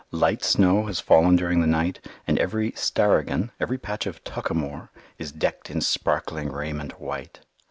Light snow has fallen during the night, and every "starigan," every patch of "tuckamore" is "decked in sparkling raiment white."